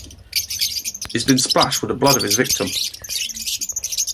He has been splashed with the blood of the victim.